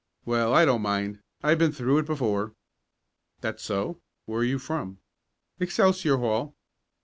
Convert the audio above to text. Well, I don't mind. I've been through it before." "That so? Where are you from?" "Excelsior Hall."